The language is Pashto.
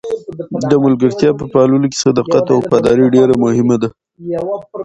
د ملګرتیا په پاللو کې صداقت او وفاداري ډېره مهمه ده.